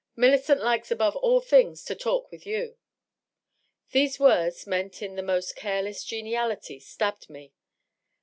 Millicent likes above all things to talk with you." These words, meant in the most careless geniality, stabbed me.